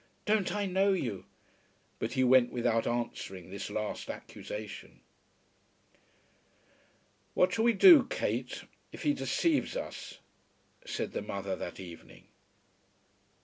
Don't I know you?" But he went without answering this last accusation. "What shall we do, Kate, if he deceives us?" said the mother that evening.